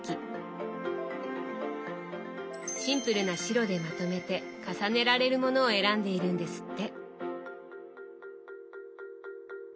シンプルな白でまとめて重ねられるものを選んでいるんですって。